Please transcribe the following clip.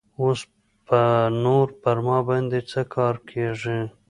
اوس به نور پر ما باندې څه کار کيږي.